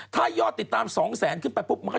จากกระแสของละครกรุเปสันนิวาสนะฮะ